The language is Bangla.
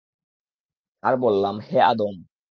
আর বললাম, হে আদম!